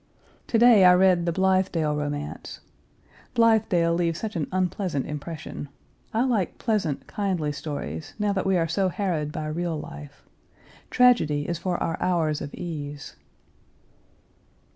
To day, I read The Blithedale Romance. Blithedale leaves such an unpleasant impression. I like pleasant, kindly stories, now that we are so harrowed by real life. Tragedy is for our hours of ease.